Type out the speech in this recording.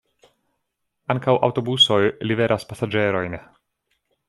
Ankaŭ aŭtobusoj liveras pasaĝerojn.